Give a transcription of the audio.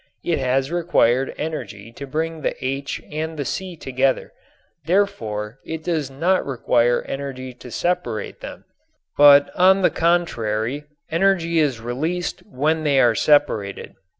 It has required energy to bring the H and the C together, therefore it does not require energy to separate them, but, on the contrary, energy is released when they are separated.